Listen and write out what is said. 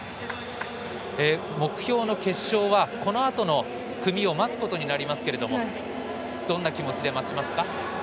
目標の決勝は、このあとの組を待つことになりますけどどんな気持ちで待ちますか？